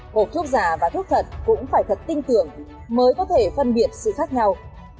hộp thuốc giả và thuốc thật cũng phải thật tinh tưởng mới có thể phân biệt sự khác nhau